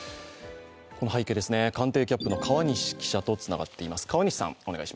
この背景、官邸キャップの川西記者とつながっています。